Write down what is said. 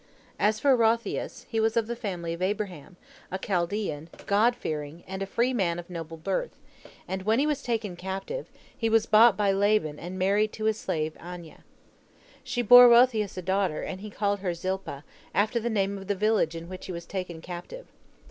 As for Rotheus, he was of the family of Abraham, a Chaldean, God fearing, and a free man of noble birth, and when he was taken captive, he was bought by Laban and married to his slave Aina. She bore Rotheus a daughter, and he called her Zilpah, after the name of the village in which he was taken captive.